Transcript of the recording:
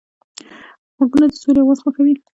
غوږونه د سولې اواز خوښوي